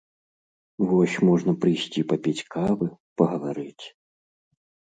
Вось можна прыйсці папіць кавы, пагаварыць.